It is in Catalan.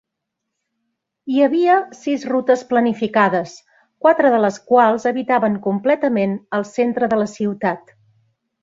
Hi havia sis rutes planificades, quatre de les quals evitaven completament el centre de la ciutat.